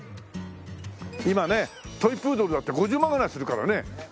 今ねトイプードルだって５０万ぐらいするからね。